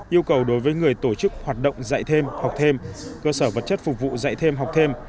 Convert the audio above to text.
yêu cầu đối với người tổ chức hoạt động dạy thêm học thêm cơ sở vật chất phục vụ dạy thêm học thêm